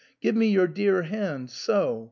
Give me your dear hand — so !